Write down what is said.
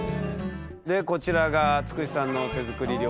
でこちらがつくしさんの手作り料理。